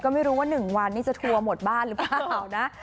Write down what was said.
ก็ไม่รู้ว่า๑วันนี้จะทัวร์หมดบ้านหรือเปล่านะ